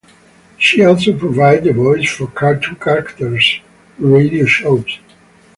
She also provided the voice for cartoon characters and radio shows.